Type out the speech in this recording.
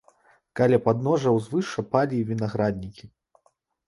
Каля падножжа ўзвышша палі і вінаграднікі.